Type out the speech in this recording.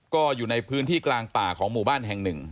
ก็อยู่ในพื้นที่กลางป่าของหมู่บ้านแห่งหนึ่ง